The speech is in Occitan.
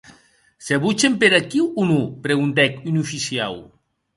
Se botgen per aquiu, o non?, preguntèc un oficiau.